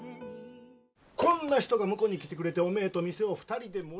こんな人が婿に来てくれておめえと店を２人で。